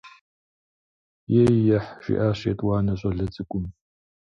- Ей–ехь, - жиӏащ етӏуанэ щӏалэ цӏыкӏум.